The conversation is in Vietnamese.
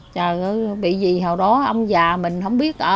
trời ơi bị gì hồi đó ông già mình không biết